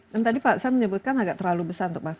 dan tadi pak saya menyebutkan agak terlalu besar untuk pak